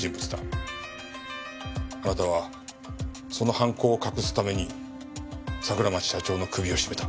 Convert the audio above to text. あなたはその犯行を隠すために桜町社長の首を絞めた。